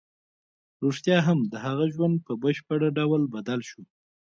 رښتیا هم د هغه ژوند په بشپړ ډول بدل شو